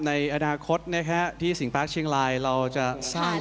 ในอนาคตที่สิงปาร์คเชียงรายเราจะสร้าง